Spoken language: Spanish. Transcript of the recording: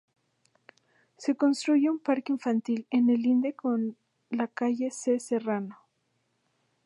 Se construye un parque infantil en el linde con la calle se Serrano.